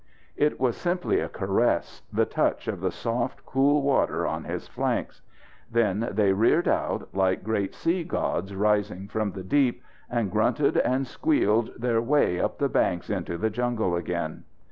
It was simply a caress the touch of the soft, cool water on his flanks. Then they reared out, like great sea gods rising from the deep, and grunted and squealed their way up the banks into the jungle again.